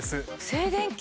静電気？